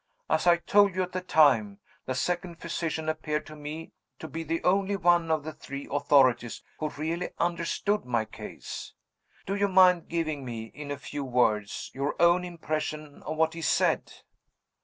As I told you at the time, the second physician appeared to me to be the only one of the three authorities who really understood my case. Do you mind giving me, in few words, your own impression of what he said?"